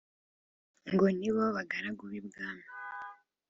Ngo : Ni bo bagaragu b'ibwami